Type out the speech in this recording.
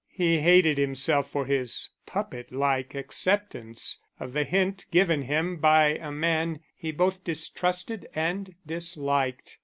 He hated himself for his puppet like acceptance of the hint given him by a man he both distrusted and disliked.